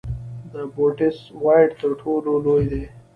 د بوټس وایډ تر ټولو لوی دی.